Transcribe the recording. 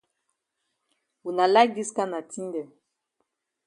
Wuna like dis kana tin dem.